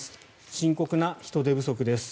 深刻な人手不足です。